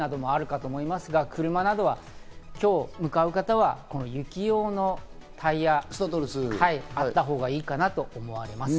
山に向かわれる方、温泉地などもあるかと思いますが、車などは今日、向かう方は雪用のタイヤがあったほうがいいかなと思われます。